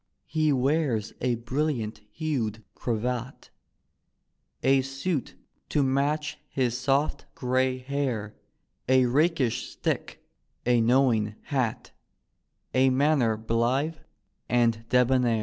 He wears a brilliant hued cravat, A suit to match his soft grey hair, A rakish stick, a knowing hat, A manner blithe and debonair.